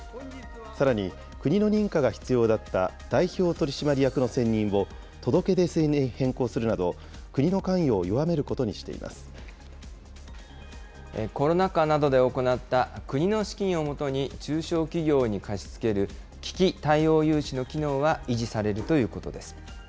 さらに、国の認可が必要だった代表取締役の選任を、届け出制に変更するなど、国の関与を弱めるこコロナ禍などで行った、国の資金をもとに中小企業に貸し付ける、危機対応融資の機能は維持されるということです。